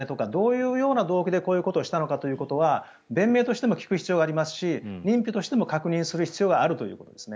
ただ、ガーシー議員の範囲故意があったのかという問題とかどういう動機でこういうことをしたのかということは弁明としても聞く必要がありますし認否としても確認する必要があるということですね。